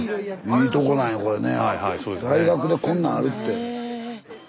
大学でこんなんあるって。